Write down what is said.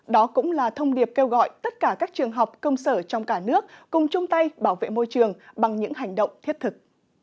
đó cũng là thông điệp kêu gọi tất cả các trường học công sở trong cả nước cùng chung tay bảo vệ môi trường bằng những hành động thiết thực